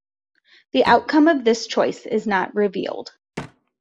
The outcome of this choice is not revealed.